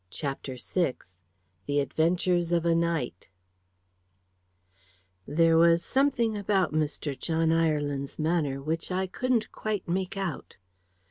CHAPTER VI THE ADVENTURES OF A NIGHT "There was something about Mr. John Ireland's manner which I couldn't quite make out."